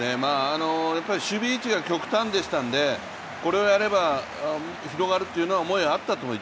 守備位置が極端でしたんでこれをやれば広がるっていうのはあったと思います。